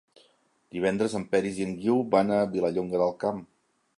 Divendres en Peris i en Guiu van a Vilallonga del Camp.